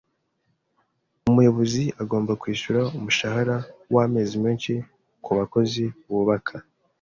Umuyobozi agomba kwishyura umushahara wamezi menshi kubakozi bubaka.